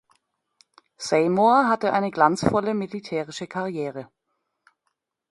Seymour hatte eine glanzvolle militärische Karriere.